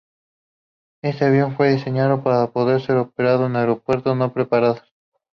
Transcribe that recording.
Este avión fue diseñado para poder ser operado en aeropuertos no preparados.